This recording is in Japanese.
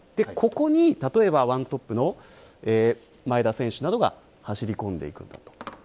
ここに例えば１トップの前田選手などが走り込んでいく。